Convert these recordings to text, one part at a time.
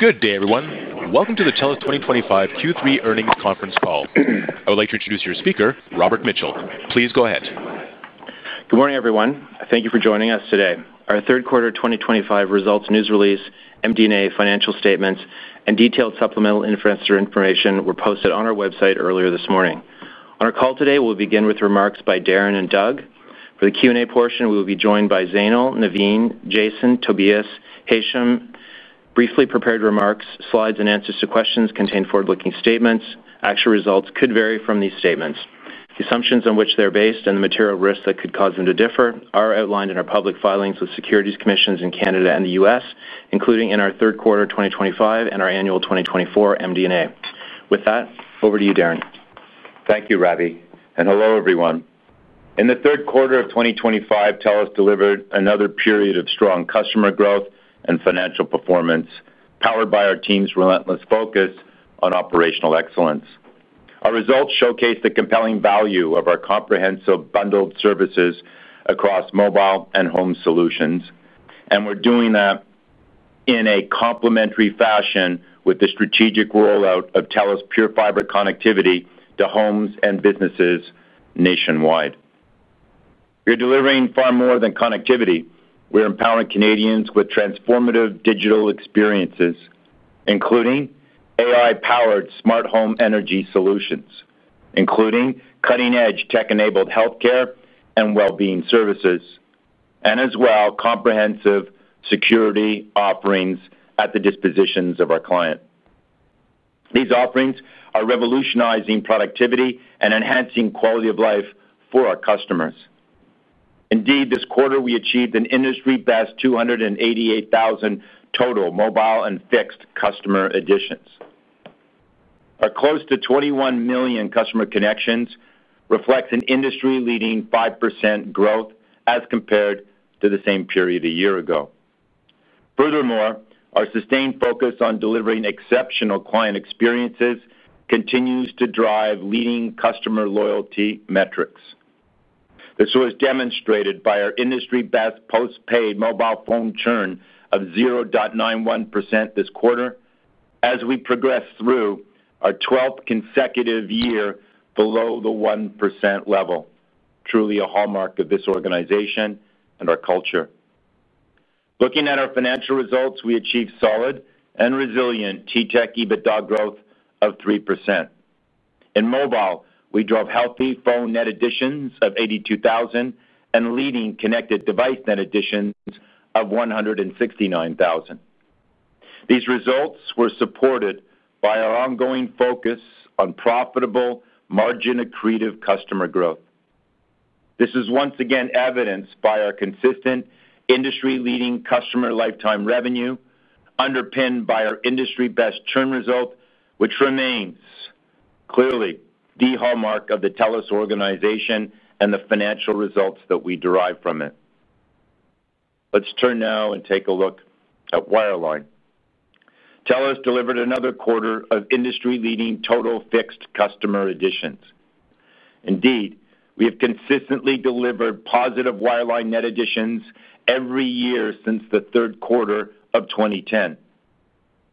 Good day, everyone. Welcome to the TELUS 2025 Q3 earnings conference call. I would like to introduce your speaker, Robert Mitchell. Please go ahead. Good morning, everyone. Thank you for joining us today. Our third quarter 2025 results news release, MD&A financial statements, and detailed supplemental investor information were posted on our website earlier this morning. On our call today, we'll begin with remarks by Darren and Doug. For the Q&A portion, we will be joined by Zainul, Navin, Jason, Tobias, and Hashim. Briefly, prepared remarks, slides, and answers to questions contain forward-looking statements. Actual results could vary from these statements. The assumptions on which they're based and the material risks that could cause them to differ are outlined in our public filings with securities commissions in Canada and the U.S., including in our third quarter 2025 and our annual 2024 MD&A. With that, over to you, Darren. Thank you, Ravi. Hello, everyone. In the third quarter of 2025, TELUS delivered another period of strong customer growth and financial performance, powered by our team's relentless focus on operational excellence. Our results showcase the compelling value of our comprehensive bundled services across mobile and home solutions, and we are doing that in a complementary fashion with the strategic rollout of TELUS PureFiber connectivity to homes and businesses nationwide. We are delivering far more than connectivity. We are empowering Canadians with transformative digital experiences, including AI-powered smart home energy solutions, including cutting-edge tech-enabled healthcare and well-being services, and as well comprehensive security offerings at the dispositions of our client. These offerings are revolutionizing productivity and enhancing quality of life for our customers. Indeed, this quarter we achieved an industry-best 288,000 total mobile and fixed customer additions. Our close to 21 million customer connections reflects an industry-leading 5% growth as compared to the same period a year ago. Furthermore, our sustained focus on delivering exceptional client experiences continues to drive leading customer loyalty metrics. This was demonstrated by our industry-best post-paid mobile phone churn of 0.91% this quarter, as we progressed through our 12th consecutive year below the 1% level, truly a hallmark of this organization and our culture. Looking at our financial results, we achieved solid and resilient TTech EBITDA growth of 3%. In mobile, we drove healthy phone net additions of 82,000 and leading connected device net additions of 169,000. These results were supported by our ongoing focus on profitable, margin-accretive customer growth. This is once again evidenced by our consistent industry-leading customer lifetime revenue, underpinned by our industry-best churn result, which remains clearly the hallmark of the TELUS organization and the financial results that we derive from it. Let's turn now and take a look at wireline. TELUS delivered another quarter of industry-leading total fixed customer additions. Indeed, we have consistently delivered positive wireline net additions every year since the third quarter of 2010.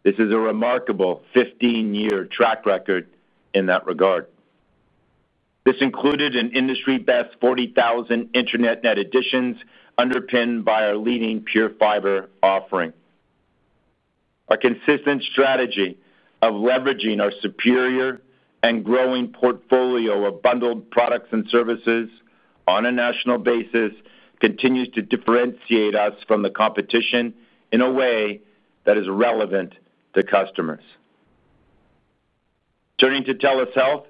This is a remarkable 15-year track record in that regard. This included an industry-best 40,000 Internet net additions, underpinned by our leading PureFiber offering. Our consistent strategy of leveraging our superior and growing portfolio of bundled products and services on a national basis continues to differentiate us from the competition in a way that is relevant to customers. Turning to TELUS Health,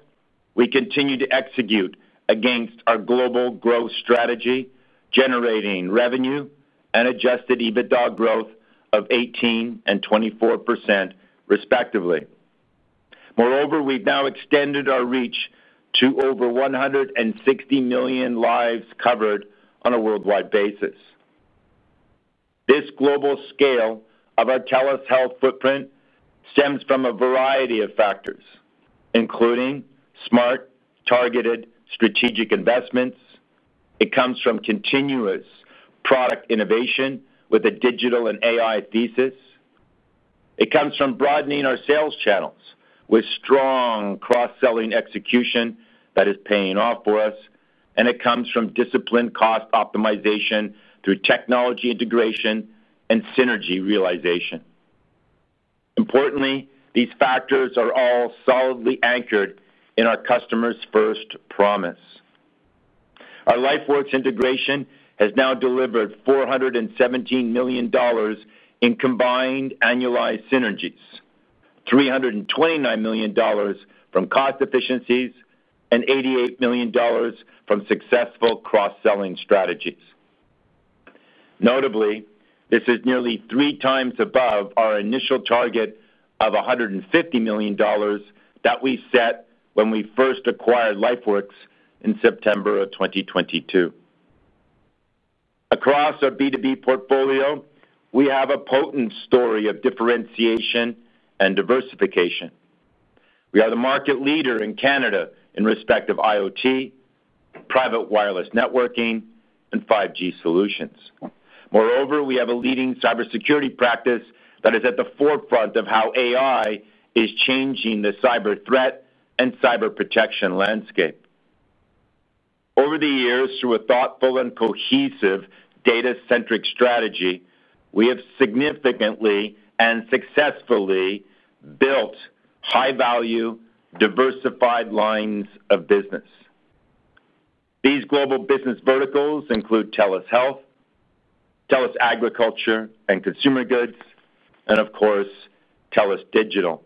we continue to execute against our global growth strategy, generating revenue and adjusted EBITDA growth of 18% and 24%, respectively. Moreover, we've now extended our reach to over 160 million lives covered on a worldwide basis. This global scale of our TELUS Health footprint stems from a variety of factors, including smart, targeted, strategic investments. It comes from continuous product innovation with a digital and AI thesis. It comes from broadening our sales channels with strong cross-selling execution that is paying off for us, and it comes from disciplined cost optimization through technology integration and synergy realization. Importantly, these factors are all solidly anchored in our customer's first promise. Our LifeWorks integration has now delivered 417 million dollars in combined annualized synergies, 329 million dollars from cost efficiencies, and 88 million dollars from successful cross-selling strategies. Notably, this is nearly three times above our initial target of 150 million dollars that we set when we first acquired LifeWorks in September of 2022. Across our B2B portfolio, we have a potent story of differentiation and diversification. We are the market leader in Canada in respect of IoT, private wireless networking, and 5G solutions. Moreover, we have a leading cybersecurity practice that is at the forefront of how AI is changing the cyber threat and cyber protection landscape. Over the years, through a thoughtful and cohesive data-centric strategy, we have significantly and successfully built high-value, diversified lines of business. These global business verticals include TELUS Health, TELUS Agriculture and Consumer Goods, and of course, TELUS Digital.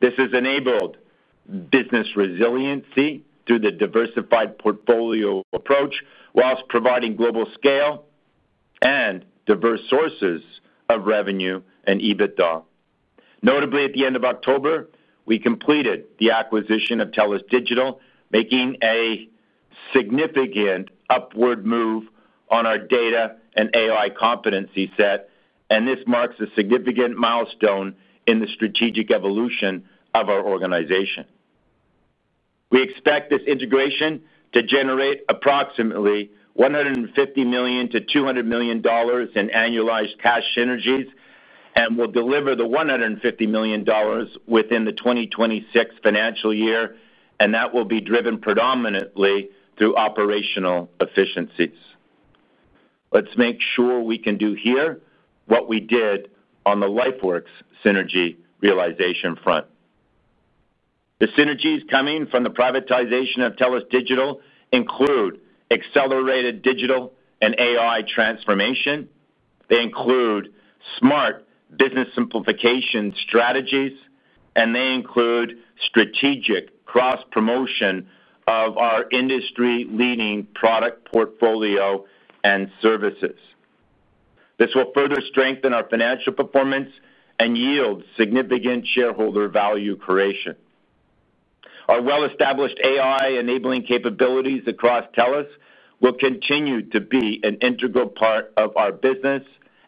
This has enabled business resiliency through the diversified portfolio approach whilst providing global scale and diverse sources of revenue and EBITDA. Notably, at the end of October, we completed the acquisition of TELUS Digital, making a significant upward move on our data and AI competency set, and this marks a significant milestone in the strategic evolution of our organization. We expect this integration to generate approximately 150 million-200 million dollars in annualized cash synergies, and we'll deliver the 150 million dollars within the 2026 financial year, and that will be driven predominantly through operational efficiencies. Let's make sure we can do here what we did on the LifeWorks synergy realization front. The synergies coming from the privatization of TELUS Digital include accelerated digital and AI transformation. They include smart business simplification strategies, and they include strategic cross-promotion of our industry-leading product portfolio and services. This will further strengthen our financial performance and yield significant shareholder value creation. Our well-established AI-enabling capabilities across TELUS will continue to be an integral part of our business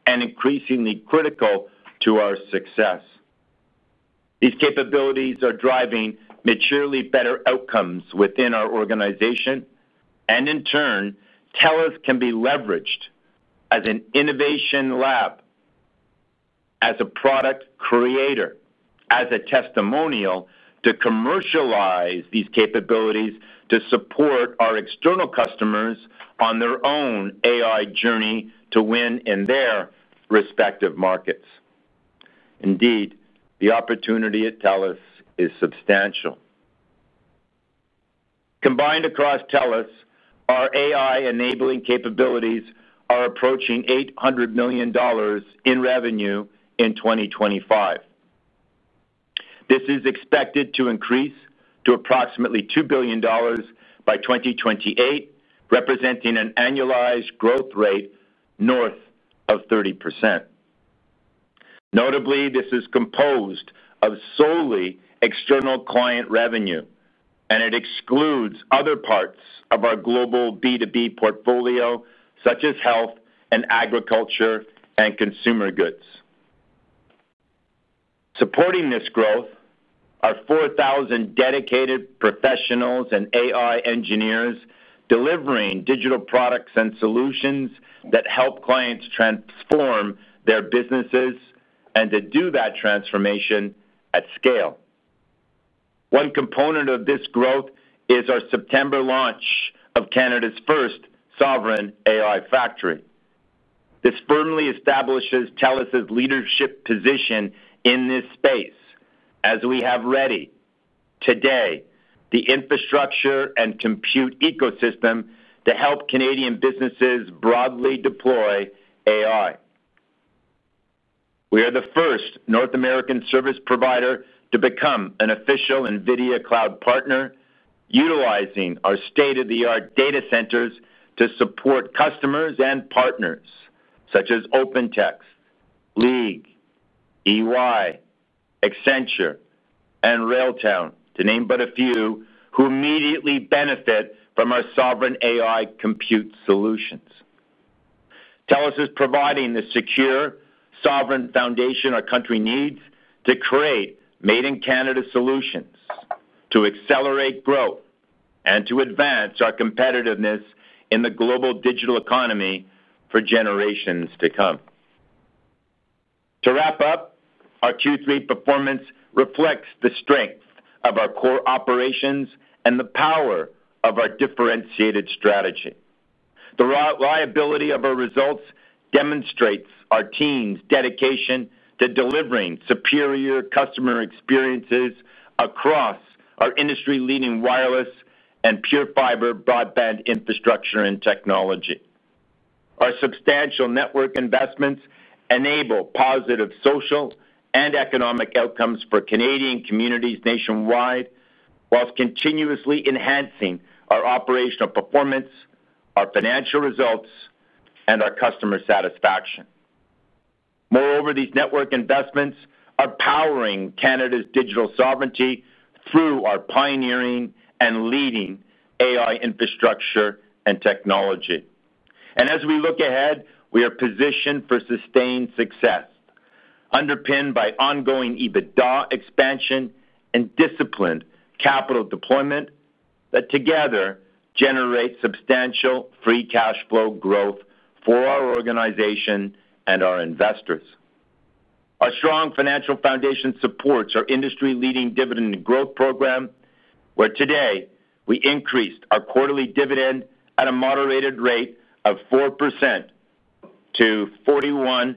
and increasingly critical to our success. These capabilities are driving materially better outcomes within our organization, and in turn, TELUS can be leveraged as an innovation lab, as a product creator, as a testimonial to commercialize these capabilities to support our external customers on their own AI journey to win in their respective markets. Indeed, the opportunity at TELUS is substantial. Combined across TELUS, our AI-enabling capabilities are approaching 800 million dollars in revenue in 2025. This is expected to increase to approximately 2 billion dollars by 2028, representing an annualized growth rate north of 30%. Notably, this is composed of solely external client revenue, and it excludes other parts of our global B2B portfolio, such as Health and Agriculture and Consumer Goods. Supporting this growth are 4,000 dedicated professionals and AI engineers delivering digital products and solutions that help clients transform their businesses and to do that transformation at scale. One component of this growth is our September launch of Canada's first sovereign AI factory. This firmly establishes TELUS's leadership position in this space as we have ready, today, the infrastructure and compute ecosystem to help Canadian businesses broadly deploy AI. We are the first North American service provider to become an official NVIDIA Cloud partner, utilizing our state-of-the-art data centers to support customers and partners, such as OpenAI, League, EY, Accenture, and RailTown, to name but a few, who immediately benefit from our sovereign AI compute solutions. TELUS is providing the secure, sovereign foundation our country needs to create made-in-Canada solutions to accelerate growth and to advance our competitiveness in the global digital economy for generations to come. To wrap up, our Q3 performance reflects the strength of our core operations and the power of our differentiated strategy. The reliability of our results demonstrates our team's dedication to delivering superior customer experiences across our industry-leading wireless and PureFiber broadband infrastructure and technology. Our substantial network investments enable positive social and economic outcomes for Canadian communities nationwide, while continuously enhancing our operational performance, our financial results, and our customer satisfaction. Moreover, these network investments are powering Canada's digital sovereignty through our pioneering and leading AI infrastructure and technology. As we look ahead, we are positioned for sustained success, underpinned by ongoing EBITDA expansion and disciplined capital deployment that together generate substantial free cash flow growth for our organization and our investors. Our strong financial foundation supports our industry-leading dividend growth program, where today we increased our quarterly dividend at a moderated rate of 4% to 0.4184.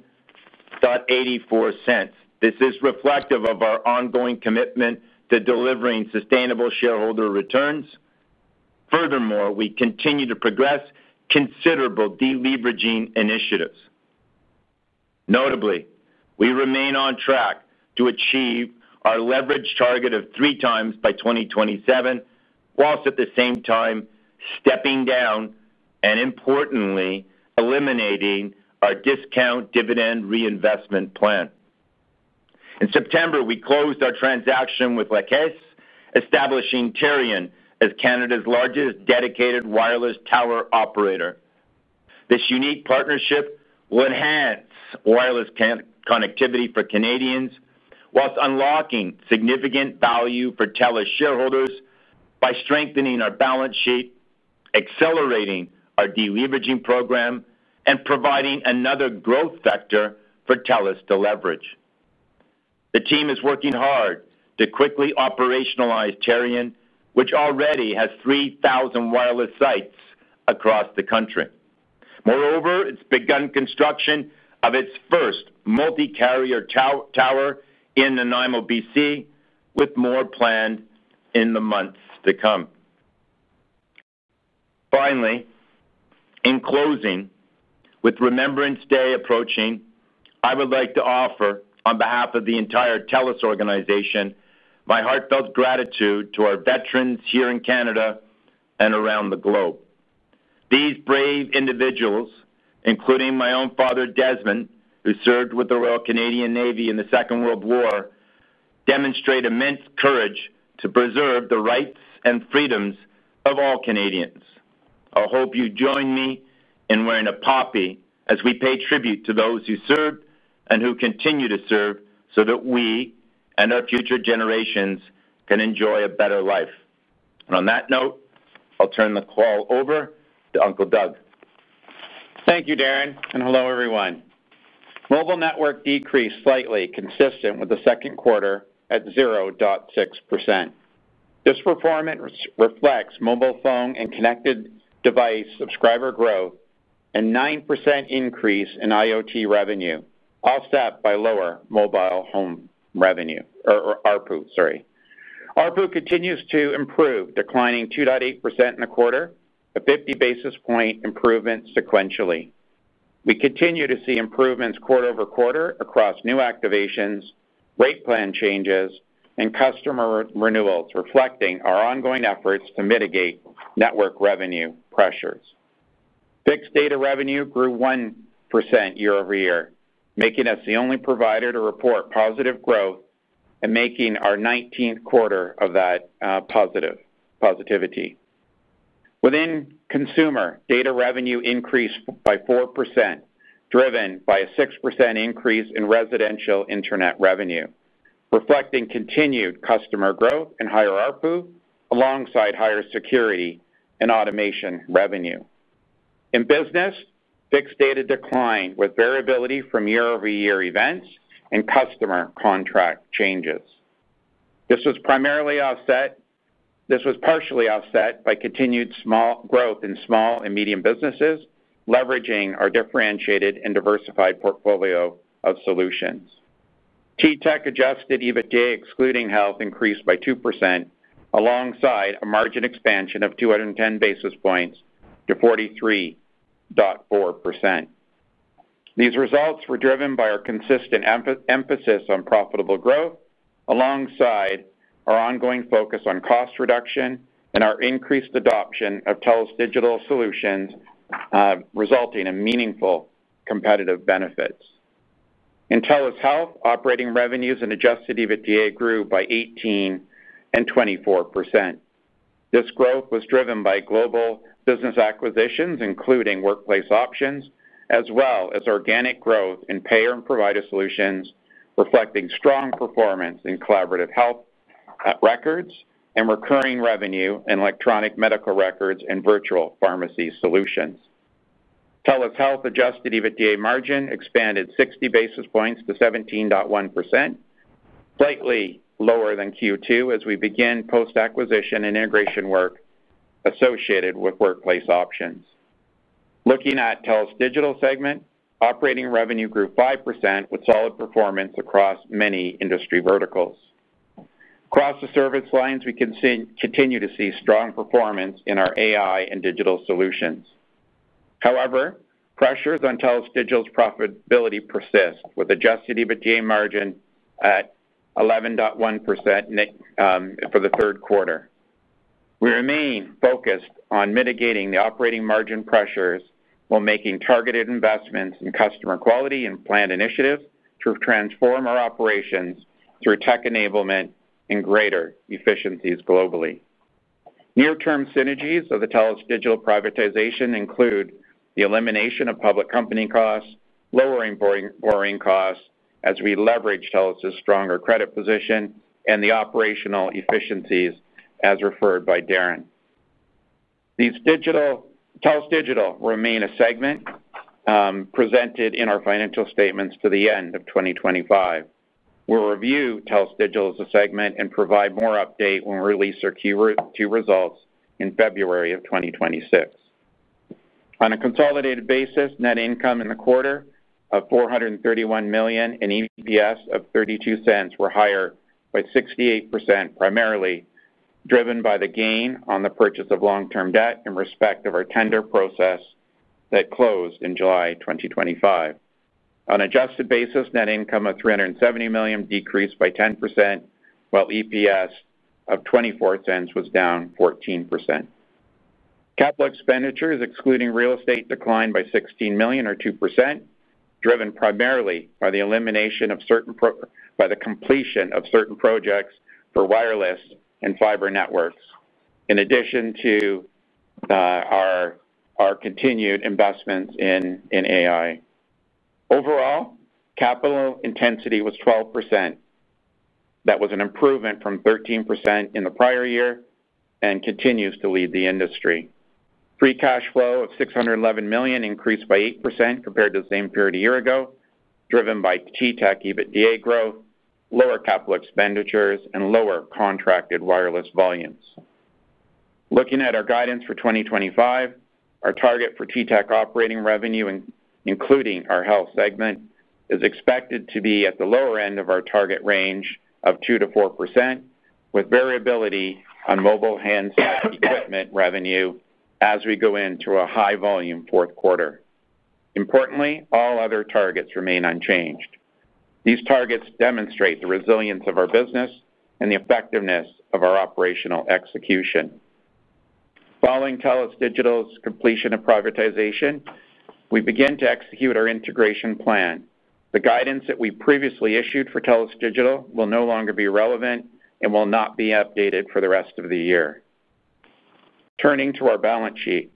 This is reflective of our ongoing commitment to delivering sustainable shareholder returns. Furthermore, we continue to progress considerable deleveraging initiatives. Notably, we remain on track to achieve our leverage target of 3x by 2027, whilst at the same time stepping down and, importantly, eliminating our discount dividend reinvestment plan. In September, we closed our transaction with La Caisse, establishing Terrion as Canada's largest dedicated wireless tower operator. This unique partnership will enhance wireless connectivity for Canadians, whilst unlocking significant value for TELUS shareholders by strengthening our balance sheet, accelerating our deleveraging program, and providing another growth factor for TELUS to leverage. The team is working hard to quickly operationalize Terrion, which already has 3,000 wireless sites across the country. Moreover, it's begun construction of its first multi-carrier tower in Nanaimo, B.C., with more planned in the months to come. Finally, in closing, with Remembrance Day approaching, I would like to offer, on behalf of the entire TELUS organization, my heartfelt gratitude to our veterans here in Canada and around the globe. These brave individuals, including my own father, Desmond, who served with the Royal Canadian Navy in the Second World War, demonstrate immense courage to preserve the rights and freedoms of all Canadians. I hope you join me in wearing a poppy as we pay tribute to those who served and who continue to serve so that we and our future generations can enjoy a better life. On that note, I'll turn the call over to Uncle Doug. Thank you, Darren, and hello, everyone. Mobile network decreased slightly, consistent with the second quarter at 0.6%. This performance reflects mobile phone and connected device subscriber growth and a 9% increase in IoT revenue, offset by lower mobile home revenue. ARPU continues to improve, declining 2.8% in the quarter, a 50 basis point improvement sequentially. We continue to see improvements quarter-over-quarter across new activations, rate plan changes, and customer renewals, reflecting our ongoing efforts to mitigate network revenue pressures. Fixed data revenue grew 1% year-over-year, making us the only provider to report positive growth and making our 19th quarter of that positive. Within consumer, data revenue increased by 4%, driven by a 6% increase in residential internet revenue, reflecting continued customer growth and higher ARPU alongside higher security and automation revenue. In business, fixed data declined with variability from year-over-year events and customer contract changes. This was partially offset by continued small growth in small and medium businesses, leveraging our differentiated and diversified portfolio of solutions. TTech adjusted EBITDA, excluding health, increased by 2% alongside a margin expansion of 210 basis points to 43.4%. These results were driven by our consistent emphasis on profitable growth alongside our ongoing focus on cost reduction and our increased adoption of TELUS Digital solutions, resulting in meaningful competitive benefits. In TELUS Health, operating revenues and adjusted EBITDA grew by 18% and 24%. This growth was driven by global business acquisitions, including Workplace Options, as well as organic growth in payer and provider solutions, reflecting strong performance in collaborative health records and recurring revenue in electronic medical records and virtual pharmacy solutions. TELUS Health adjusted EBITDA margin expanded 60 basis points to 17.1%, slightly lower than Q2 as we begin post-acquisition and integration work associated with Workplace Options. Looking at the TELUS Digital segment, operating revenue grew 5% with solid performance across many industry verticals. Across the service lines, we continue to see strong performance in our AI and digital solutions. However, pressures on TELUS Digital's profitability persist with adjusted EBITDA margin at 11.1% for the third quarter. We remain focused on mitigating the operating margin pressures while making targeted investments in customer quality and planned initiatives to transform our operations through tech enablement and greater efficiencies globally. Near-term synergies of the TELUS Digital privatization include the elimination of public company costs, lowering borrowing costs as we leverage TELUS's stronger credit position and the operational efficiencies as referred by Darren. TELUS Digital remains a segment presented in our financial statements to the end of 2025. We will review TELUS Digital as a segment and provide more update when we release our two results in February of 2026. On a consolidated basis, net income in the quarter of 431 million and EPS of 0.32 were higher by 68%, primarily driven by the gain on the purchase of long-term debt in respect of our tender process that closed in July 2025. On an adjusted basis, net income of 370 million decreased by 10%, while EPS of 0.24 was down 14%. Capital expenditure, excluding real estate, declined by 16 million, or 2%, driven primarily by the completion of certain projects for wireless and fiber networks, in addition to our continued investments in AI. Overall, capital intensity was 12%. That was an improvement from 13% in the prior year and continues to lead the industry. Free cash flow of 611 million increased by 8% compared to the same period a year ago, driven by TTech EBITDA growth, lower capital expenditures, and lower contracted wireless volumes. Looking at our guidance for 2025, our target for TELUS International operating revenue, including our health segment, is expected to be at the lower end of our target range of 2%-4%, with variability on mobile handset equipment revenue as we go into a high-volume fourth quarter. Importantly, all other targets remain unchanged. These targets demonstrate the resilience of our business and the effectiveness of our operational execution. Following TELUS Digital's completion of privatization, we begin to execute our integration plan. The guidance that we previously issued for TELUS Digital will no longer be relevant and will not be updated for the rest of the year. Turning to our balance sheet,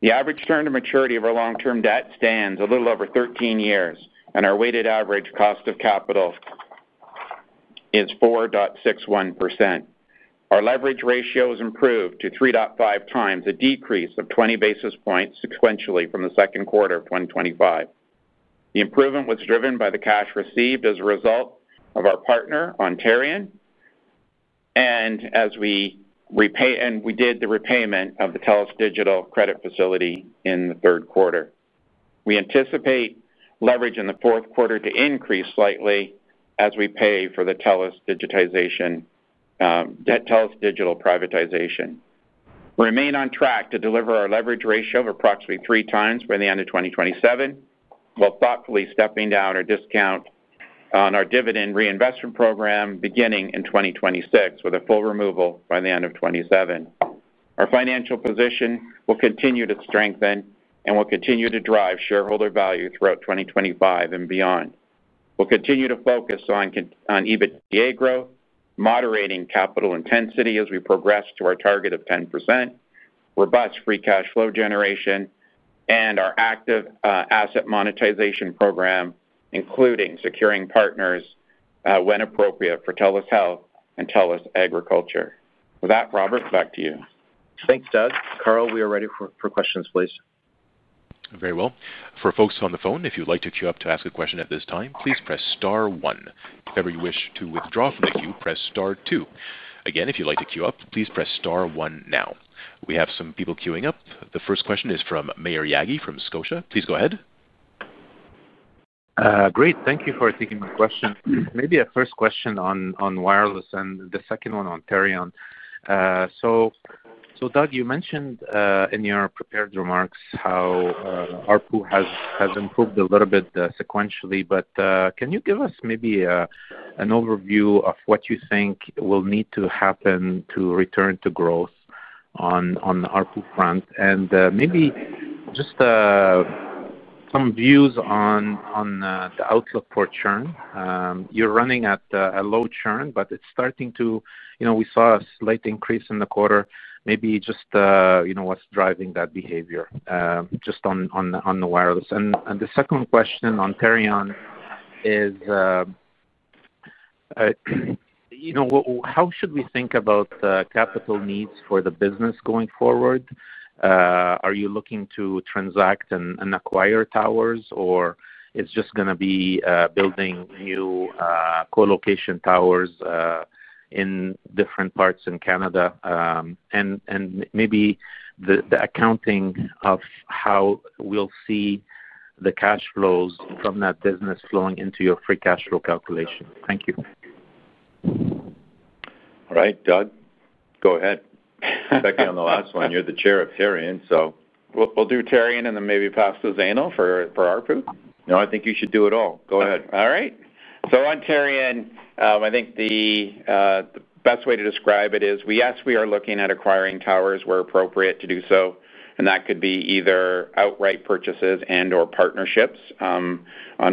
the average term to maturity of our long-term debt stands a little over 13 years, and our weighted average cost of capital is 4.61%. Our leverage ratio has improved to 3.5x, a decrease of 20 basis points sequentially from the second quarter of 2025. The improvement was driven by the cash received as a result of our partner, Ontarian, and as we did the repayment of the TELUS Digital credit facility in the third quarter. We anticipate leverage in the fourth quarter to increase slightly as we pay for the TELUS Digital privatization. We remain on track to deliver our leverage ratio of approximately 3x by the end of 2027, while thoughtfully stepping down our discount on our dividend reinvestment program beginning in 2026, with a full removal by the end of 2027. Our financial position will continue to strengthen and will continue to drive shareholder value throughout 2025 and beyond. We'll continue to focus on EBITDA growth, moderating capital intensity as we progress to our target of 10%, robust free cash flow generation, and our active asset monetization program, including securing partners when appropriate for TELUS Health and TELUS Agriculture. With that, Robert, back to you. Thanks, Doug. Carl, we are ready for questions, please. Very well. For folks on the phone, if you'd like to queue up to ask a question at this time, please press star one. If ever you wish to withdraw from the queue, press star two. Again, if you'd like to queue up, please press star one now. We have some people queuing up. The first question is from Maher Yaghi from Scotia. Please go ahead. Great. Thank you for taking my question. Maybe a first question on wireless and the second one on Terrion. Doug, you mentioned in your prepared remarks how ARPU has improved a little bit sequentially, but can you give us maybe an overview of what you think will need to happen to return to growth on the ARPU front? Maybe just some views on the outlook for churn. You're running at a low churn, but it is starting to—we saw a slight increase in the quarter. Maybe just what is driving that behavior just on the wireless? The second question on Terrion is, how should we think about capital needs for the business going forward? Are you looking to transact and acquire towers, or is it just going to be building new co-location towers in different parts in Canada? Maybe the accounting of how we'll see the cash flows from that business flowing into your free cash flow calculation. Thank you. All right, Doug. Go ahead. Back on the last one. You're the Chair of Terrion, so. We'll do Terrion and then maybe pass to Zainul for ARPU. No, I think you should do it all. Go ahead. All right. On Terrion, I think the best way to describe it is, yes, we are looking at acquiring towers where appropriate to do so, and that could be either outright purchases and/or partnerships on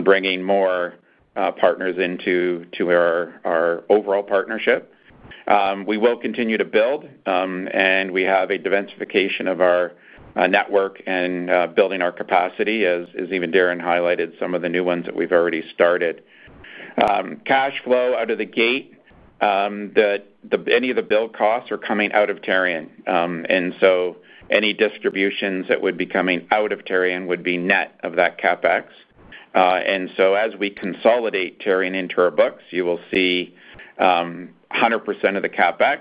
bringing more partners into our overall partnership. We will continue to build, and we have a diversification of our network and building our capacity, as even Darren highlighted some of the new ones that we've already started. Cash flow out of the gate, any of the build costs are coming out of Terrion, and any distributions that would be coming out of Terrion would be net of that CapEx. As we consolidate Terrion into our books, you will see 100% of the CapEx,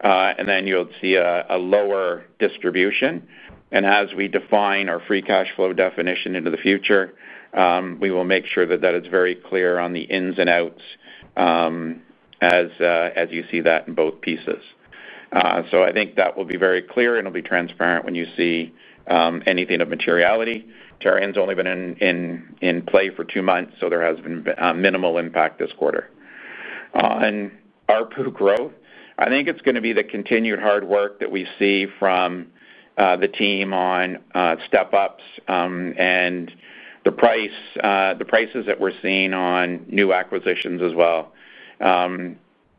and then you'll see a lower distribution. As we define our free cash flow definition into the future, we will make sure that is very clear on the ins and outs as you see that in both pieces. I think that will be very clear, and it will be transparent when you see anything of materiality. Terrion's only been in play for two months, so there has been minimal impact this quarter. On ARPU growth, I think it's going to be the continued hard work that we see from the team on step-ups and the prices that we're seeing on new acquisitions as well.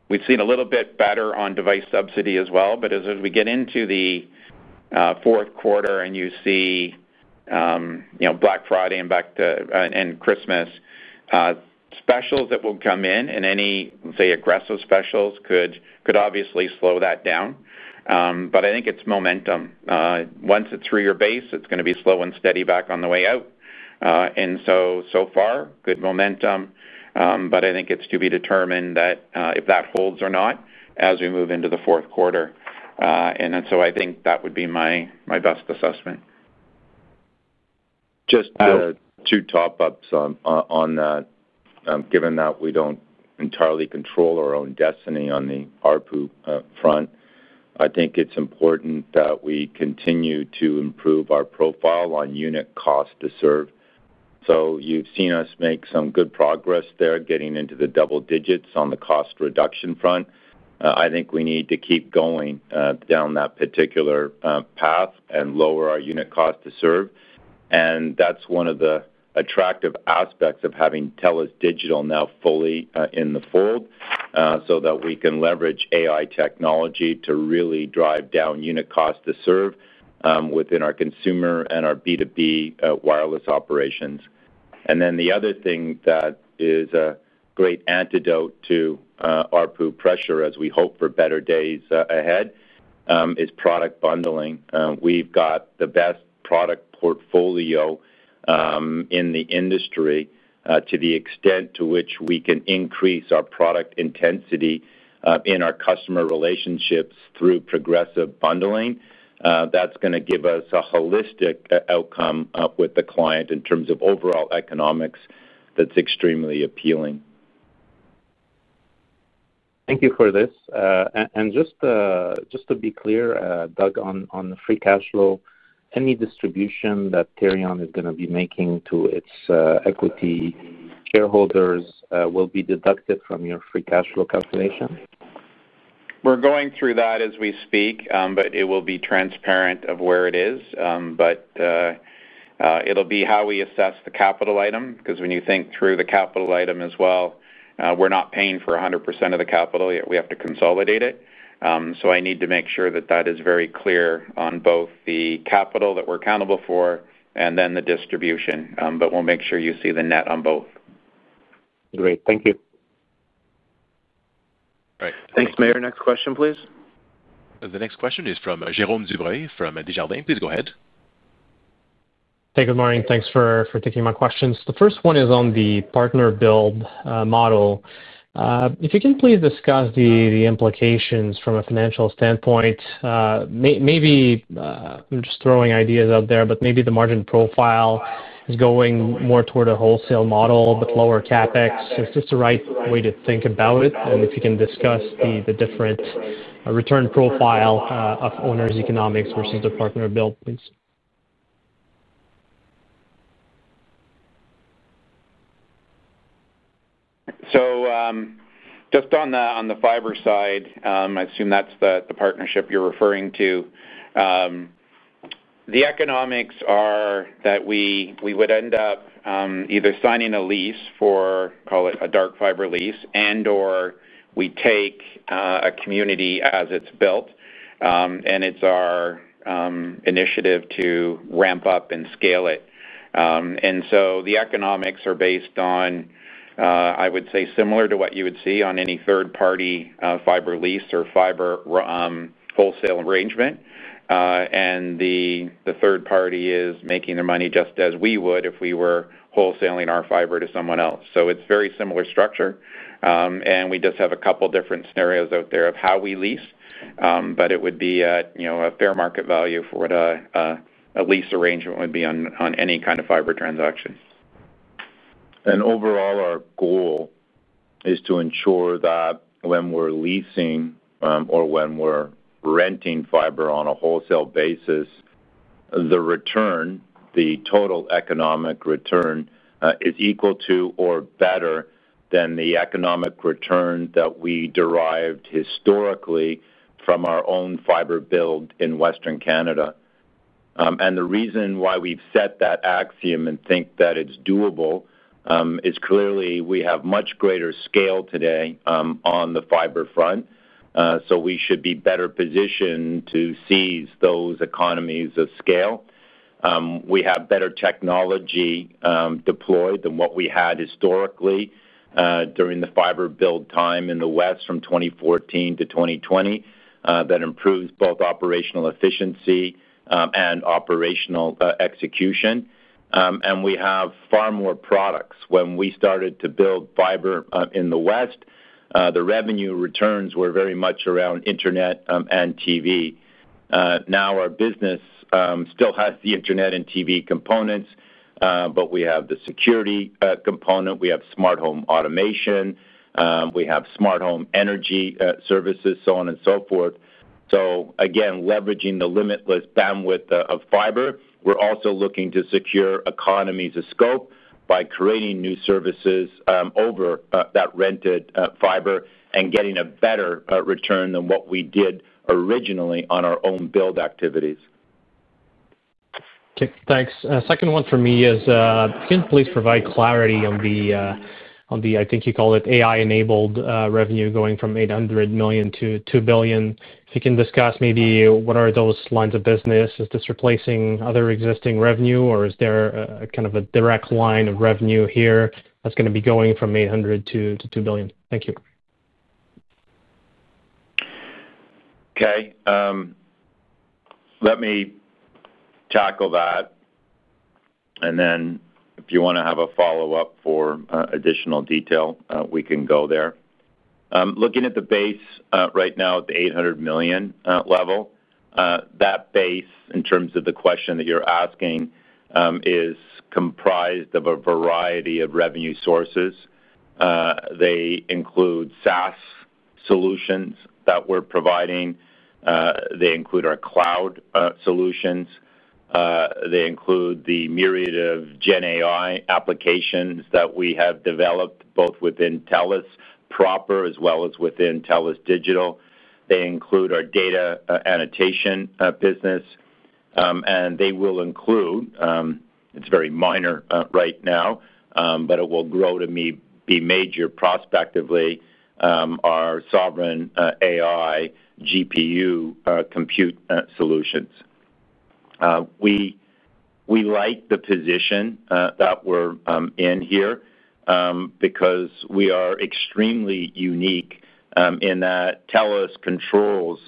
We've seen a little bit better on device subsidy as well, but as we get into the fourth quarter and you see Black Friday and Christmas, specials that will come in and any, say, aggressive specials could obviously slow that down. I think it's momentum. Once it's through your base, it's going to be slow and steady back on the way out. And so far, good momentum, but I think it's to be determined if that holds or not as we move into the fourth quarter. I think that would be my best assessment. Just two top-ups on that. Given that we don't entirely control our own destiny on the ARPU front, I think it's important that we continue to improve our profile on unit cost to serve. You've seen us make some good progress there getting into the double digits on the cost reduction front. I think we need to keep going down that particular path and lower our unit cost to serve. That's one of the attractive aspects of having TELUS Digital now fully in the fold so that we can leverage AI technology to really drive down unit cost to serve within our consumer and our B2B wireless operations. The other thing that is a great antidote to ARPU pressure as we hope for better days ahead is product bundling. We've got the best product portfolio in the industry to the extent to which we can increase our product intensity in our customer relationships through progressive bundling. That's going to give us a holistic outcome with the client in terms of overall economics that's extremely appealing. Thank you for this. Just to be clear, Doug, on the free cash flow, any distribution that Terrion is going to be making to its equity shareholders will be deducted from your free cash flow calculation? We're going through that as we speak, but it will be transparent of where it is. It will be how we assess the capital item because when you think through the capital item as well, we're not paying for 100% of the capital. We have to consolidate it. I need to make sure that that is very clear on both the capital that we're accountable for and then the distribution. We'll make sure you see the net on both. Great. Thank you. All right. Thanks, Maher. Next question, please. The next question is from Jérôme Dubreuil from Desjardins. Please go ahead. Hey, good morning. Thanks for taking my questions. The first one is on the partner build model. If you can please discuss the implications from a financial standpoint, maybe I'm just throwing ideas out there, but maybe the margin profile is going more toward a wholesale model with lower CapEx. Is this the right way to think about it? If you can discuss the different return profile of owner's economics versus the partner build, please. Just on the fiber side, I assume that's the partnership you're referring to. The economics are that we would end up either signing a lease for, call it a dark fiber lease, and/or we take a community as it's built, and it's our initiative to ramp up and scale it. The economics are based on, I would say, similar to what you would see on any third-party fiber lease or fiber wholesale arrangement. The third party is making their money just as we would if we were wholesaling our fiber to someone else. It is a very similar structure. We just have a couple of different scenarios out there of how we lease, but it would be a fair market value for what a lease arrangement would be on any kind of fiber transaction. Our goal is to ensure that when we're leasing or when we're renting fiber on a wholesale basis, the return, the total economic return, is equal to or better than the economic return that we derived historically from our own fiber build in Western Canada. The reason why we've set that axiom and think that it's doable is clearly we have much greater scale today on the fiber front, so we should be better positioned to seize those economies of scale. We have better technology deployed than what we had historically during the fiber build time in the West from 2014 to 2020 that improves both operational efficiency and operational execution. We have far more products. When we started to build fiber in the West, the revenue returns were very much around internet and TV. Now our business still has the Internet and TV components, but we have the security component. We have smart home automation. We have smart home energy services, so on and so forth. Again, leveraging the limitless bandwidth of fiber, we're also looking to secure economies of scope by creating new services over that rented fiber and getting a better return than what we did originally on our own build activities. Thanks. Second one for me is, can you please provide clarity on the, I think you call it, AI-enabled revenue going from 800 million to 2 billion? If you can discuss maybe what are those lines of business? Is this replacing other existing revenue, or is there kind of a direct line of revenue here that's going to be going from 800 million to 2 billion? Thank you. Okay. Let me tackle that. If you want to have a follow-up for additional detail, we can go there. Looking at the base right now at the 800 million level, that base, in terms of the question that you're asking, is comprised of a variety of revenue sources. They include SaaS solutions that we're providing. They include our cloud solutions. They include the myriad of GenAI applications that we have developed both within TELUS proper as well as within TELUS Digital. They include our data annotation business. They will include—it is very minor right now, but it will grow to be major prospectively—our sovereign AI GPU compute solutions. We like the position that we're in here because we are extremely unique in that TELUS controls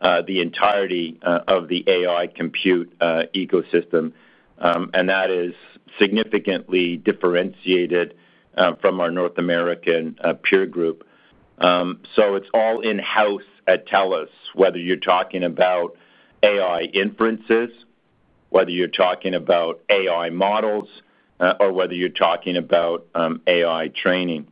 the entirety of the AI compute ecosystem, and that is significantly differentiated from our North American peer group. It is all in-house at TELUS, whether you are talking about AI inferences, whether you are talking about AI models, or whether you are talking about AI training.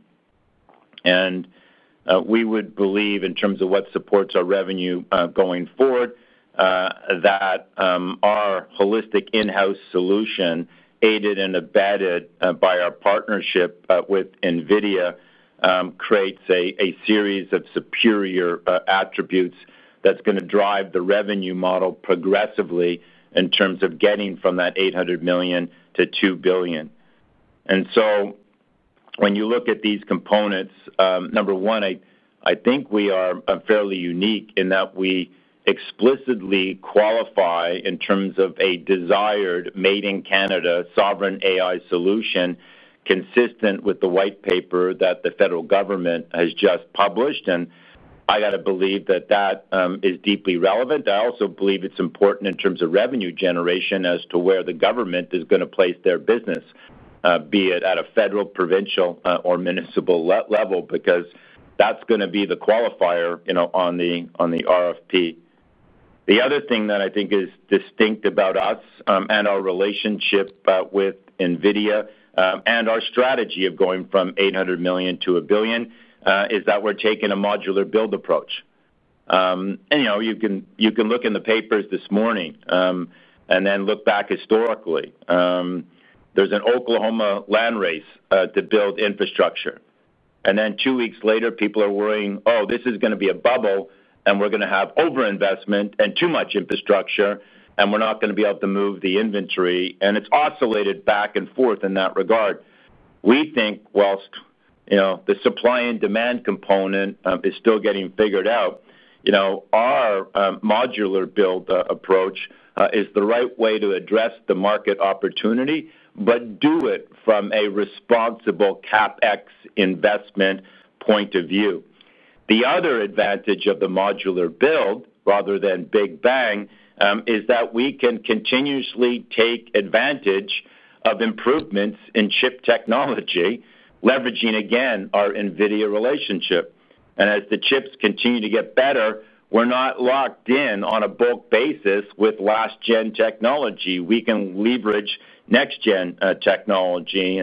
We would believe, in terms of what supports our revenue going forward, that our holistic in-house solution, aided and embedded by our partnership with NVIDIA, creates a series of superior attributes that is going to drive the revenue model progressively in terms of getting from that 800 million to 2 billion. When you look at these components, number one, I think we are fairly unique in that we explicitly qualify in terms of a desired Made in Canada sovereign AI solution consistent with the white paper that the federal government has just published. I have to believe that is deeply relevant. I also believe it's important in terms of revenue generation as to where the government is going to place their business, be it at a federal, provincial, or municipal level, because that's going to be the qualifier on the RFP. The other thing that I think is distinct about us and our relationship with NVIDIA and our strategy of going from 800 million to 1 billion is that we're taking a modular build approach. You can look in the papers this morning and then look back historically. There's an Oklahoma land race to build infrastructure. Two weeks later, people are worrying, "Oh, this is going to be a bubble, and we're going to have over-investment and too much infrastructure, and we're not going to be able to move the inventory." It's oscillated back and forth in that regard. We think, whilst the supply and demand component is still getting figured out, our modular build approach is the right way to address the market opportunity, but do it from a responsible CapEx investment point of view. The other advantage of the modular build, rather than big bang, is that we can continuously take advantage of improvements in chip technology, leveraging, again, our NVIDIA relationship. As the chips continue to get better, we're not locked in on a bulk basis with last-gen technology. We can leverage next-gen technology.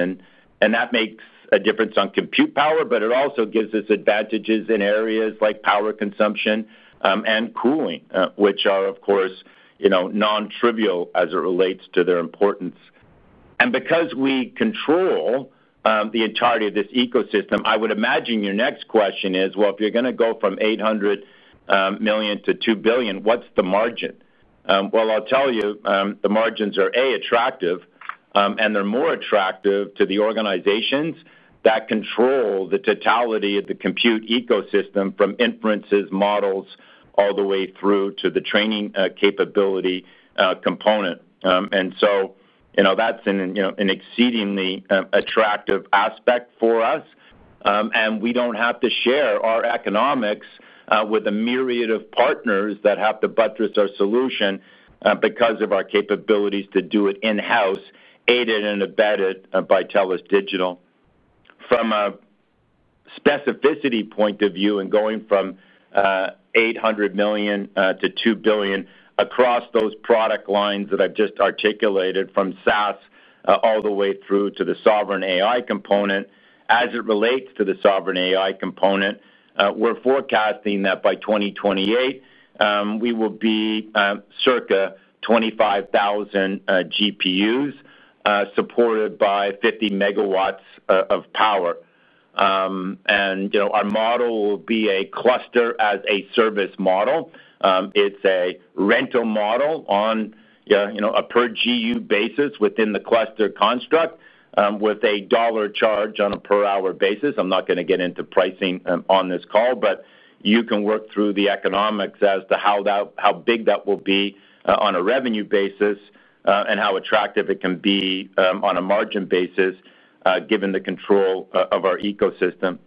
That makes a difference on compute power, but it also gives us advantages in areas like power consumption and cooling, which are, of course, non-trivial as it relates to their importance. Because we control the entirety of this ecosystem, I would imagine your next question is, "If you're going to go from 800 million to 2 billion, what's the margin?" I will tell you, the margins are, A, attractive, and they're more attractive to the organizations that control the totality of the compute ecosystem from inferences, models, all the way through to the training capability component. That is an exceedingly attractive aspect for us. We do not have to share our economics with a myriad of partners that have to buttress our solution because of our capabilities to do it in-house, aided and embedded by TELUS Digital. From a specificity point of view, and going from 800 million to 2 billion across those product lines that I've just articulated, from SaaS all the way through to the sovereign AI component, as it relates to the sovereign AI component, we're forecasting that by 2028, we will be circa 25,000 GPUs supported by 50 MW of power. Our model will be a cluster-as-a-service model. It's a rental model on a per-GPU basis within the cluster construct with a dollar charge on a per-hour basis. I'm not going to get into pricing on this call, but you can work through the economics as to how big that will be on a revenue basis and how attractive it can be on a margin basis given the control of our ecosystem.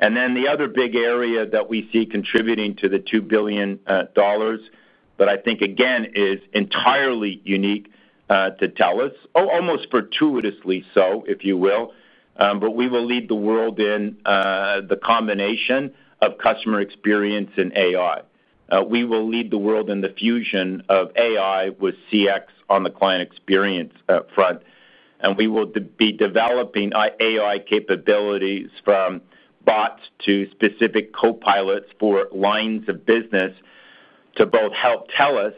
The other big area that we see contributing to the 2 billion dollars that I think, again, is entirely unique to TELUS, almost fortuitously so, if you will, but we will lead the world in the combination of customer experience and AI. We will lead the world in the fusion of AI with CX on the client experience front. We will be developing AI capabilities from bots to specific copilots for lines of business to both help TELUS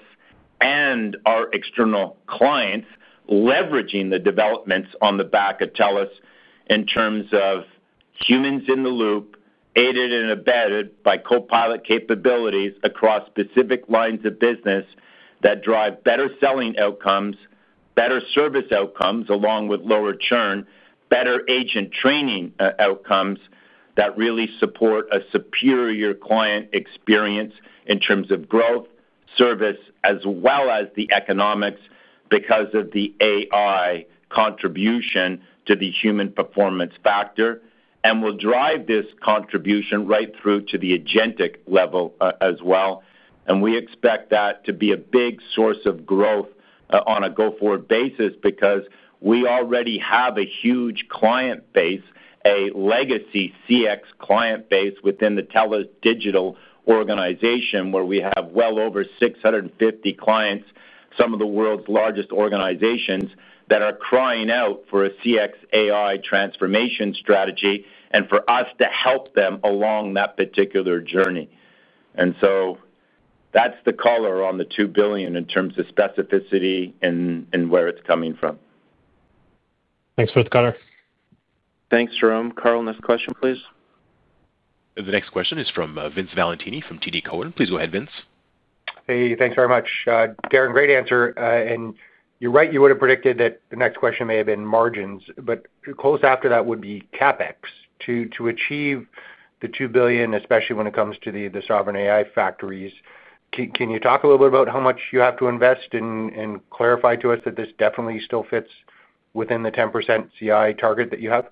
and our external clients, leveraging the developments on the back of TELUS in terms of humans in the loop, aided and embedded by copilot capabilities across specific lines of business that drive better selling outcomes, better service outcomes along with lower churn, better agent training outcomes that really support a superior client experience in terms of growth, service, as well as the economics because of the AI contribution to the human performance factor. We will drive this contribution right through to the agentic level as well. We expect that to be a big source of growth on a go-forward basis because we already have a huge client base, a legacy CX client base within the TELUS Digital organization where we have well over 650 clients, some of the world's largest organizations that are crying out for a CX AI transformation strategy and for us to help them along that particular journey. That is the color on the 2 billion in terms of specificity and where it is coming from. Thanks for the cover. Thanks, Jérôme. Carl, next question, please. The next question is from Vince Valentini from TD Cowen. Please go ahead, Vince. Hey, thanks very much. Darren, great answer. You are right, you would have predicted that the next question may have been margins, but close after that would be CapEx. To achieve the 2 billion, especially when it comes to the sovereign AI factories, can you talk a little bit about how much you have to invest and clarify to us that this definitely still fits within the 10% CI target that you have?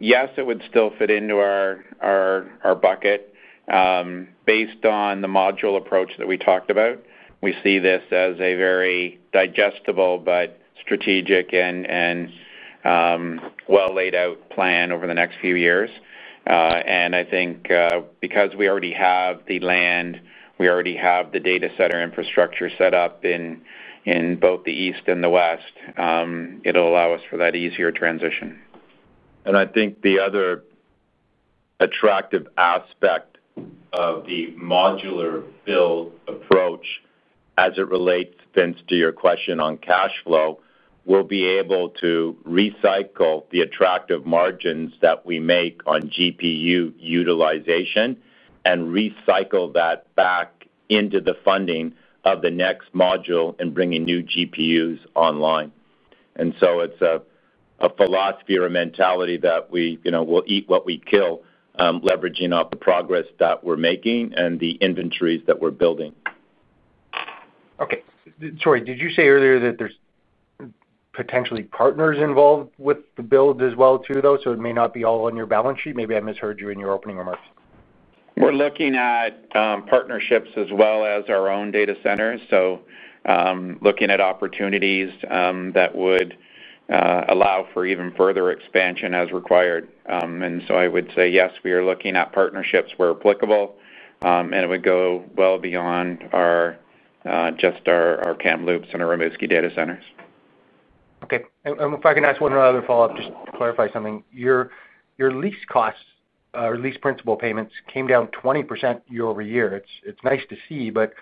Yes, it would still fit into our bucket. Based on the module approach that we talked about, we see this as a very digestible but strategic and well-laid-out plan over the next few years. I think because we already have the land, we already have the data center infrastructure set up in both the east and the west, it will allow us for that easier transition. I think the other attractive aspect of the modular build approach, as it relates, Vince, to your question on cash flow, is we'll be able to recycle the attractive margins that we make on GPU utilization and recycle that back into the funding of the next module and bringing new GPUs online. It is a philosophy or a mentality that we will eat what we kill, leveraging off the progress that we're making and the inventories that we're building. Okay. Sorry, did you say earlier that there's potentially partners involved with the build as well too, though? It may not be all on your balance sheet. Maybe I misheard you in your opening remarks. We're looking at partnerships as well as our own data centers. Looking at opportunities that would allow for even further expansion as required. I would say, yes, we are looking at partnerships where applicable, and it would go well beyond just our Kamloops and our Rimouski data centers. Okay. If I can ask one other follow-up, just to clarify something. Your lease costs or lease principal payments came down 20% year-over-year. It's nice to see, but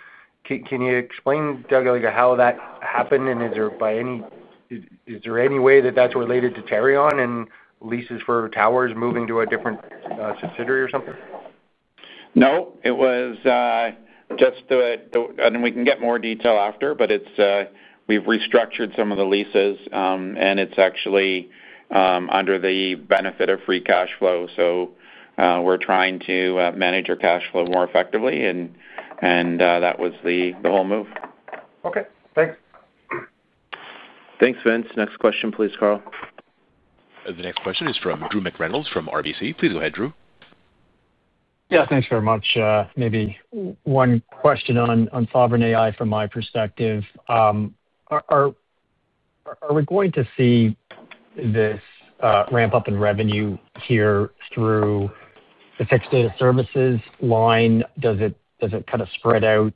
can you explain, Doug, how that happened? Is there any way that that's related to carry-on and leases for towers moving to a different subsidiary or something? No, it was just that. We can get more detail after, but we've restructured some of the leases, and it's actually under the benefit of free cash flow. We're trying to manage our cash flow more effectively, and that was the whole move. Okay. Thanks. Thanks, Vince. Next question, please, Carl. The next question is from Drew McReynolds from RBC. Please go ahead, Drew. Yeah, thanks very much. Maybe one question on sovereign AI from my perspective. Are we going to see this ramp up in revenue here through the fixed data services line? Does it kind of spread out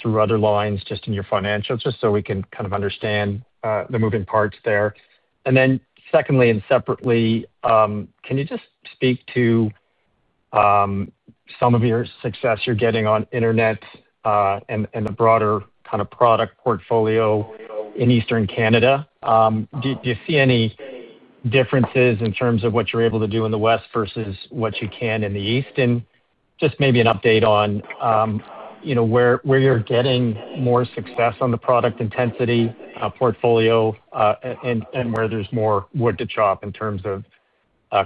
through other lines just in your financials? Just so we can kind of understand the moving parts there. Secondly and separately, can you just speak to some of your success you're getting on internet and the broader kind of product portfolio in Eastern Canada? Do you see any differences in terms of what you're able to do in the west versus what you can in the east? Just maybe an update on where you're getting more success on the product intensity portfolio and where there's more wood to chop in terms of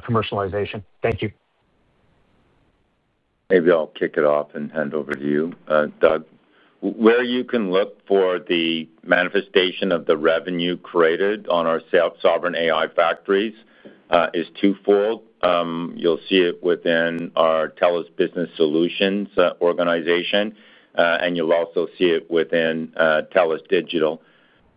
commercialization. Thank you. Maybe I'll kick it off and hand over to you, Doug. Where you can look for the manifestation of the revenue created on our sovereign AI factories is twofold. You'll see it within our TELUS Business Solutions organization, and you'll also see it within TELUS Digital.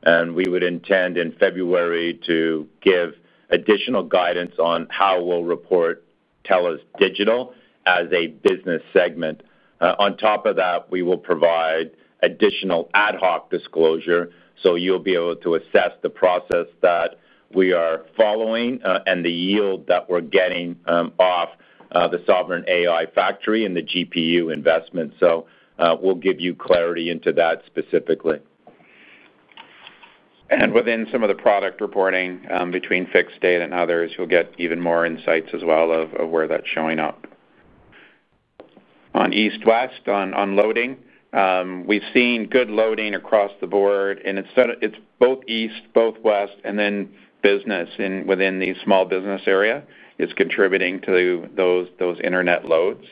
We would intend in February to give additional guidance on how we'll report TELUS Digital as a business segment. On top of that, we will provide additional ad hoc disclosure, so you'll be able to assess the process that we are following and the yield that we're getting off the sovereign AI factory and the GPU investment. We'll give you clarity into that specifically. Within some of the product reporting between fixed data and others, you'll get even more insights as well of where that's showing up. On east-west on loading, we've seen good loading across the board. It is both east, both west, and then business within the small business area is contributing to those internet loads.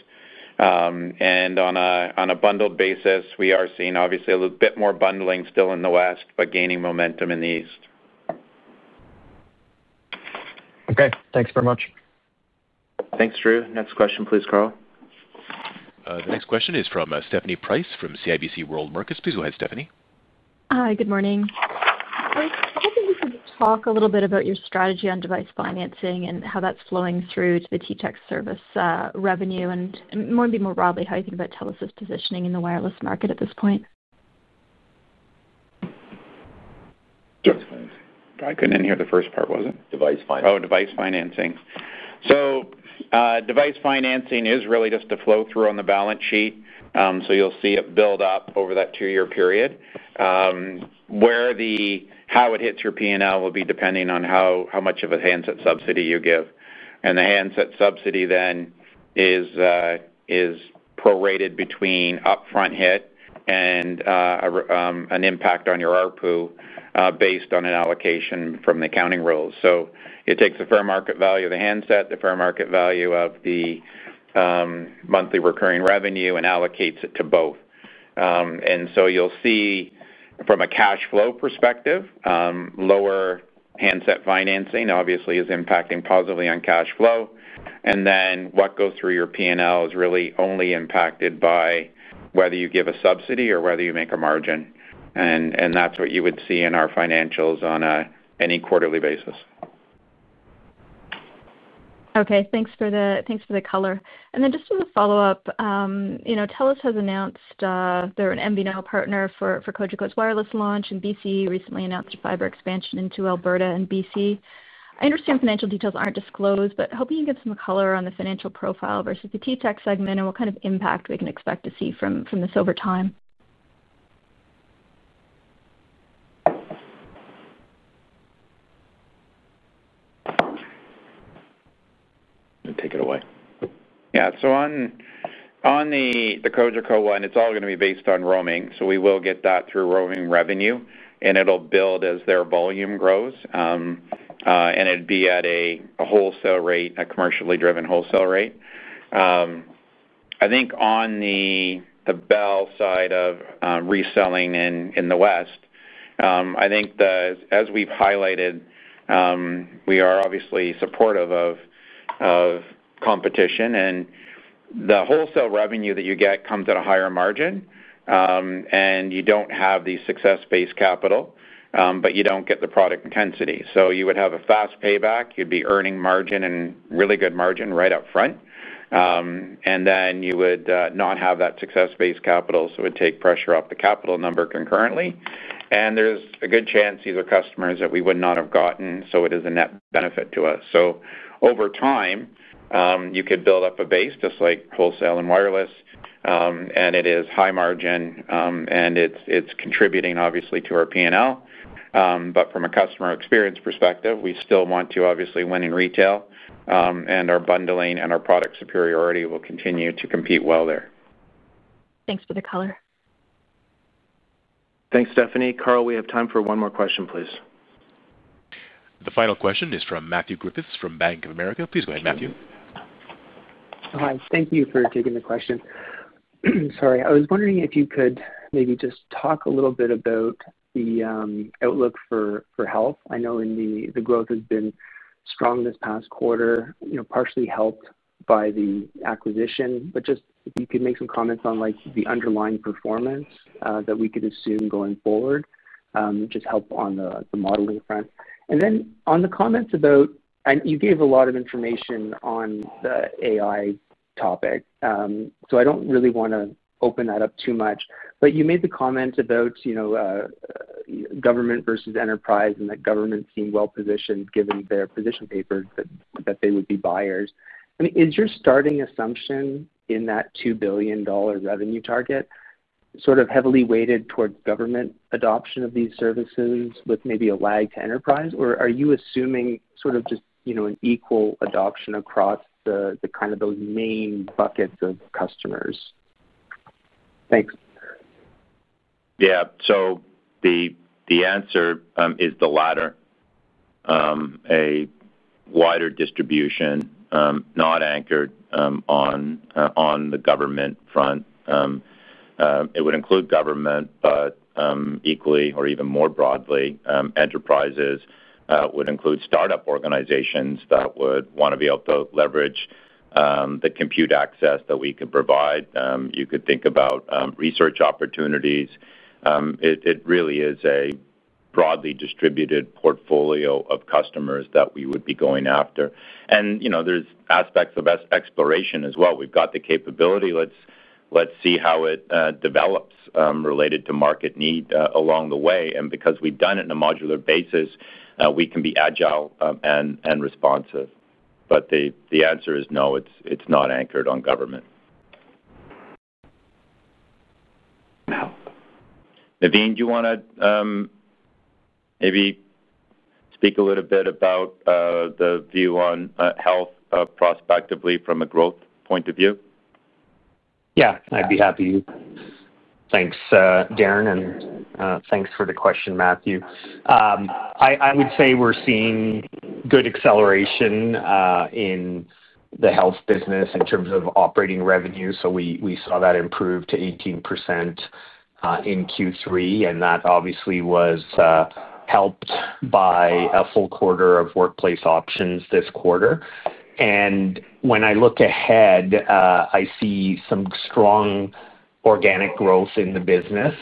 On a bundled basis, we are seeing obviously a little bit more bundling still in the west, but gaining momentum in the east. Okay. Thanks very much. Thanks, Drew. Next question, please, Carl. The next question is from Stephanie Price from CIBC World Markets. Please go ahead, Stephanie. Hi, good morning. I think we could talk a little bit about your strategy on device financing and how that is flowing through to the TTech service revenue and maybe more broadly how you think about TELUS's positioning in the wireless market at this point. I could not hear the first part, was it? Device financing. Oh, device financing. Device financing is really just a flow-through on the balance sheet. You will see it build up over that two-year period. How it hits your P&L will be depending on how much of a handset subsidy you give. The handset subsidy then is prorated between upfront hit and an impact on your ARPU based on an allocation from the accounting rules. It takes the fair market value of the handset, the fair market value of the monthly recurring revenue, and allocates it to both. You will see from a cash flow perspective, lower handset financing obviously is impacting positively on cash flow. What goes through your P&L is really only impacted by whether you give a subsidy or whether you make a margin. That is what you would see in our financials on any quarterly basis. Okay. Thanks for the color. Just as a follow-up, TELUS has announced they're an MVNO partner for Cogeco's wireless launch, and BC recently announced fiber expansion into Alberta and BC. I understand financial details aren't disclosed, but hoping you can give some color on the financial profile versus the TTEX segment and what kind of impact we can expect to see from this over time. Take it away. Yeah. On the Cogeco one, it's all going to be based on roaming. We will get that through roaming revenue, and it'll build as their volume grows. It would be at a wholesale rate, a commercially driven wholesale rate. I think on the Bell side of reselling in the west, as we've highlighted, we are obviously supportive of competition. The wholesale revenue that you get comes at a higher margin, and you do not have the success-based capital, but you do not get the product intensity. You would have a fast payback. You would be earning margin and really good margin right up front. You would not have that success-based capital, so it would take pressure off the capital number concurrently. There is a good chance these are customers that we would not have gotten, so it is a net benefit to us. Over time, you could build up a base just like wholesale and wireless, and it is high margin, and it is contributing obviously to our P&L. From a customer experience perspective, we still want to obviously win in retail, and our bundling and our product superiority will continue to compete well there. Thanks for the color. Thanks, Stephanie. Carl, we have time for one more question, please. The final question is from Matthew Griffiths from Bank of America. Please go ahead, Matthew. Hi. Thank you for taking the question. Sorry. I was wondering if you could maybe just talk a little bit about the outlook for health. I know the growth has been strong this past quarter, partially helped by the acquisition, but just if you could make some comments on the underlying performance that we could assume going forward, just help on the modeling front. On the comments about, and you gave a lot of information on the AI topic, I do not really want to open that up too much, but you made the comment about government versus enterprise and that government seemed well positioned given their position papers that they would be buyers. I mean, is your starting assumption in that 2 billion dollar revenue target sort of heavily weighted towards government adoption of these services with maybe a lag to enterprise, or are you assuming just an equal adoption across those main buckets of customers? Thanks. Yeah. The answer is the latter. A wider distribution, not anchored on the government front. It would include government, but equally or even more broadly, enterprises would include startup organizations that would want to be able to leverage the compute access that we could provide. You could think about research opportunities. It really is a broadly distributed portfolio of customers that we would be going after. There are aspects of exploration as well. We have the capability. Let's see how it develops related to market need along the way. Because we've done it in a modular basis, we can be agile and responsive. The answer is no, it's not anchored on government. Navneen, do you want to maybe speak a little bit about the view on health prospectively from a growth point of view? Yeah. I'd be happy to. Thanks, Darren, and thanks for the question, Matthew. I would say we're seeing good acceleration in the health business in terms of operating revenue. We saw that improve to 18% in Q3, and that obviously was helped by a full quarter of Workplace Options this quarter. When I look ahead, I see some strong organic growth in the business,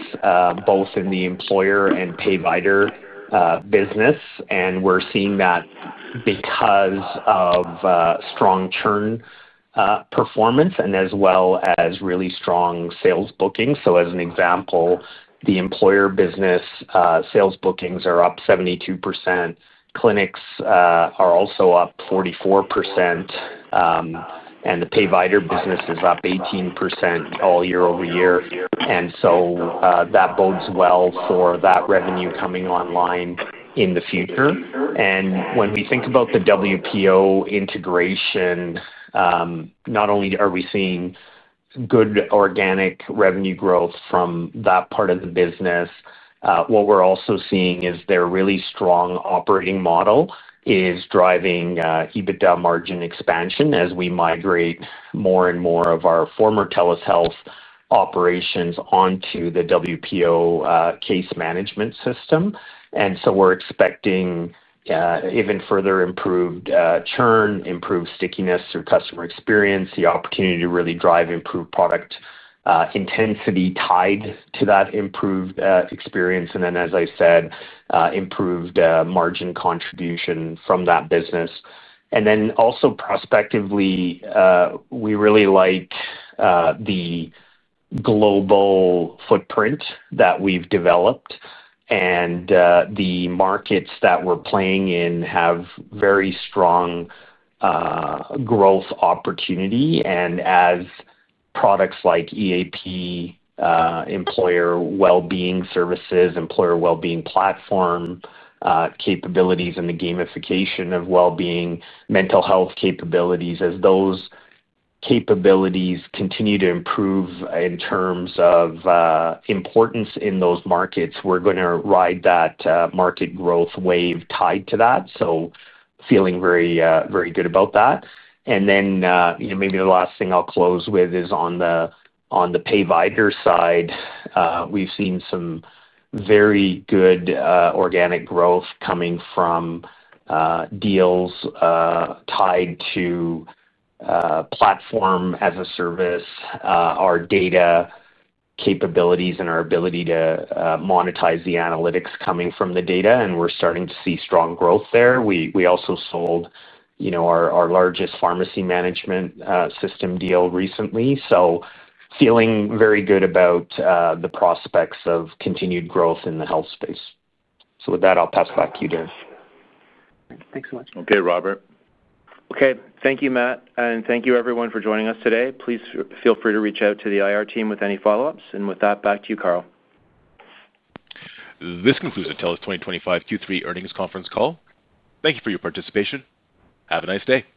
both in the employer and pay-vider business. We're seeing that because of strong churn performance as well as really strong sales bookings. As an example, the employer business sales bookings are up 72%. Clinics are also up 44%, and the pay-vider business is up 18% all year-over-year. That bodes well for that revenue coming online in the future. When we think about the WPO integration, not only are we seeing good organic revenue growth from that part of the business, what we're also seeing is their really strong operating model is driving EBITDA margin expansion as we migrate more and more of our former TELUS Health operations onto the WPO case management system. We are expecting even further improved churn, improved stickiness through customer experience, the opportunity to really drive improved product intensity tied to that improved experience, and then, as I said, improved margin contribution from that business. Also prospectively, we really like the global footprint that we've developed, and the markets that we're playing in have very strong growth opportunity. As products like EAP, employer well-being services, employer well-being platform capabilities, and the gamification of well-being, mental health capabilities, as those capabilities continue to improve in terms of importance in those markets, we are going to ride that market growth wave tied to that. Feeling very good about that. Maybe the last thing I will close with is on the pay-vider side, we have seen some very good organic growth coming from deals tied to platform as a service, our data capabilities, and our ability to monetize the analytics coming from the data. We are starting to see strong growth there. We also sold our largest pharmacy management system deal recently. Feeling very good about the prospects of continued growth in the health space. With that, I will pass it back to you, Darren. Thanks so much. Okay, Robert. Okay. Thank you, Matt. Thank you, everyone, for joining us today. Please feel free to reach out to the IR team with any follow-ups. With that, back to you, Carl. This concludes the TELUS 2025 Q3 earnings conference call. Thank you for your participation. Have a nice day.